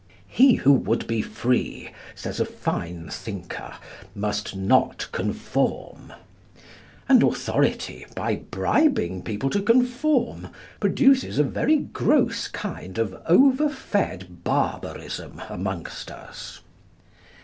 'He who would be free,' says a fine thinker, 'must not conform.' And authority, by bribing people to conform, produces a very gross kind of over fed barbarism amongst us.